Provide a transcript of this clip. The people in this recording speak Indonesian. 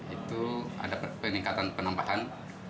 itu ada peningkatan penambahan